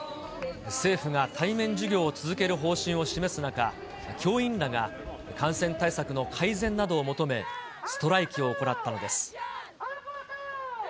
政府が対面授業を続ける方針を示す中、教員らが感染対策の改善などを求め、ストライキを行ったのです。